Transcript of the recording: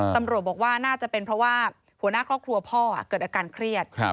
ตำรวจบอกว่าน่าจะเป็นเพราะผู้พ่อเกิดอาการเครียด